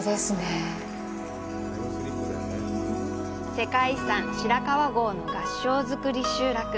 世界遺産、白川郷の合掌造り集落。